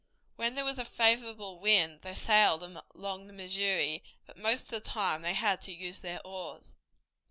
When there was a favorable wind they sailed along the Missouri, but most of the time they had to use their oars.